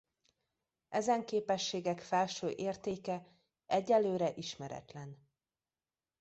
Ezen képességek felső értéke egyelőre ismeretlen.